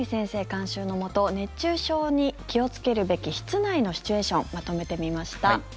監修のもと熱中症に気をつけるべき室内のシチュエーションまとめてみました。